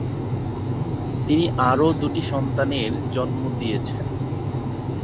তিনি আরও দুটি সন্তানের জন্ম দিয়েছেন।